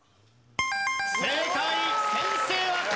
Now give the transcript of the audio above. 正解。